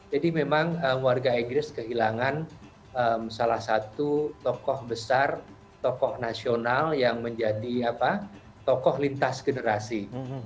jadi memang warga inggris kehilangan salah satu tokoh besar tokoh nasional yang menjadi tokoh lintas generasi